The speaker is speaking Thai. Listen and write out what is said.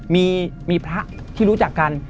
มีพระที่รู้จักกัน